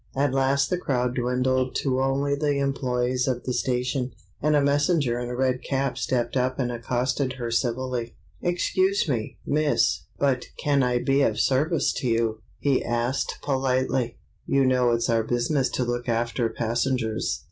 At last the crowd dwindled to only the employees of the station, and a messenger in a red cap stepped up and accosted her civilly: "Excuse me, miss, but can I be of service to you?" he asked, politely. "You know it's our business to look after passengers."